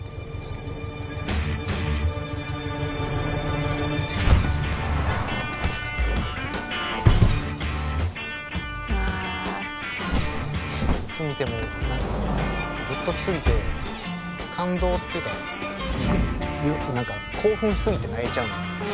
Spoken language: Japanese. これねいつ見ても何かグッとき過ぎて感動っていうか何か興奮し過ぎて泣いちゃうんですよね